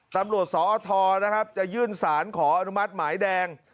ตำรวจสอทนะครับจะยื่นสารขออนุมัติหมายแดง